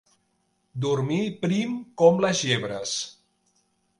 Dormir prim com les llebres.